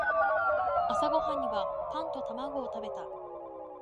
朝ごはんにはパンと卵を食べた。